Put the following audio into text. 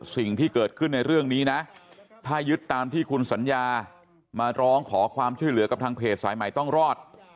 สิ่งที่เกิดขึ้นในเรื่องนี้นะถ้ายึดตามที่คุณสัญญามาร้องขอความช่วยเหลือกับทางเพจสายใหม่ต้องรอด